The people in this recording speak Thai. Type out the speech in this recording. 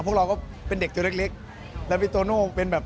พวกเราก็เป็นเด็กแล้วพี่โตโน่เป็นแบบ